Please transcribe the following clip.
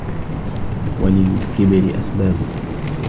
وَلِلْكِبْرِ أَسْبَابٌ